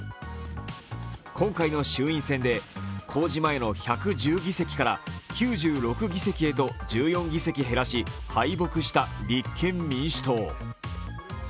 今回の衆院選で公示前の１１０議席から９６議席と１４議席減らし敗北した立憲民主党。